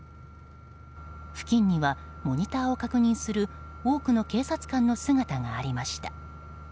付近にはモニターを確認する多くの警察官の姿がありました。